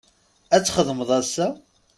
Ad txedmeḍ ass-a?